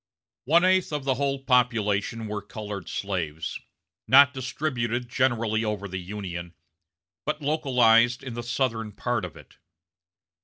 "One eighth of the whole population were colored slaves, not distributed generally over the Union, but localized in the Southern part of it.